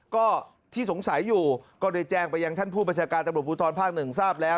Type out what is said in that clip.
ก็ที่สงสัยอยู่ก็ได้แจ้งไปยังท่านผู้บัญชาการตำรวจภูทรภาคหนึ่งทราบแล้ว